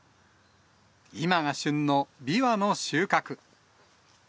今が旬のビワの収穫。